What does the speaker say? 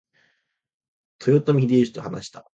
豊臣秀吉と話した。